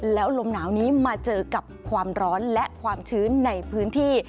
แล้วลมหนาวนี้มาเจอกับความร้อนและความชื้นในพื้นที่